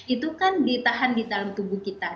itu kan ditahan di dalam tubuh kita